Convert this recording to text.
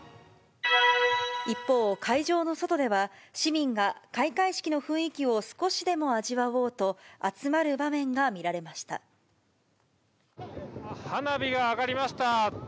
一方、会場の外では、市民が開会式の雰囲気を少しでも味わおうと、花火が上がりました。